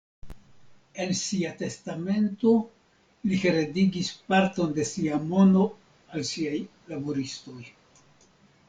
En sia testamento li heredigis parton de sia mono al siaj laboristoj.